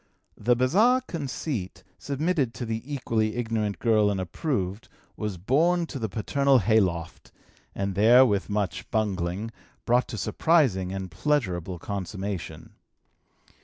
The bizarre conceit, submitted to the equally ignorant girl and approved, was borne to the paternal hay loft and there, with much bungling, brought to surprising and pleasurable consummation.